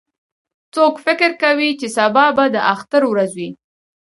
څوک فکر کوي چې سبا به د اختر ورځ وي